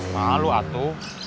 masa lu atu